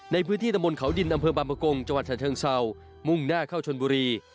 ในพื้นที่ตะมนต์เขาดินอำเภอบางประกงจังหวัดฉะเชิงเศร้ามุ่งหน้าเข้าชนบุรี